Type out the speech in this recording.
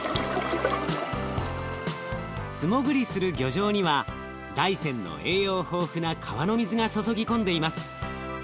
素もぐりする漁場には大山の栄養豊富な川の水が注ぎ込んでいます。